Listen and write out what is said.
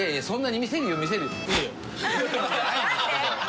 そんなに見せる。